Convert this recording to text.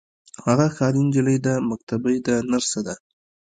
هغه ښاري نجلۍ ده مکتبۍ ده نرسه ده.